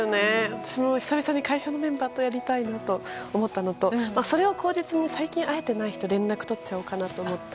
私も久々に会社のメンバーとやりたいと思ったのとそれを口実に最近会えていない人と連絡を取ろうかなと。